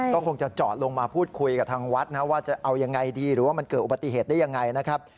ก็คงจะจอดลงมาพูดคุยกับทางวัดนะว่าจะเอายังไงดีหรือว่ามันเกิดอุบัติเหตุได้ยังไงนะครับ